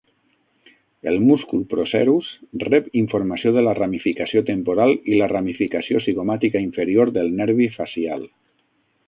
El múscul procerus rep informació de la ramificació temporal i la ramificació cigomàtica inferior del nervi facial.